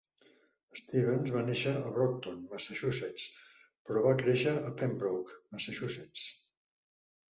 Stevens va néixer a Brockton, Massachusetts, però va créixer a Pembroke, Massachusetts.